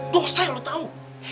bukasih lu tahu